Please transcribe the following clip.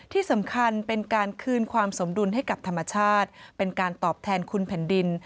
ที่สำคัญเป็นการคืนความสมดุลให้กับธรรมชาติเป็นการตอบแทนคุณแผ่นดิน